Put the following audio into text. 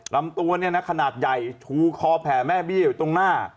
ลำตัวเนี่ยนะขนาดใหญ่ชูคอแผ่แม่เบี้ยอยู่ตรงหน้า